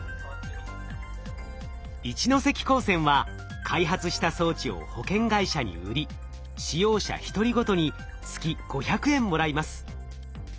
一関高専は開発した装置を保険会社に売り使用者一人ごとに月５００円もらいます。